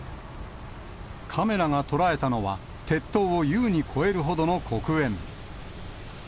カメラが捉えたのは、鉄塔を優に越えるほどの黒煙。